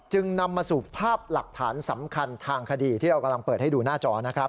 จึงนำมาสู่ภาพหลักฐานสำคัญทางคดีที่เรากำลังเปิดให้ดูหน้าจอนะครับ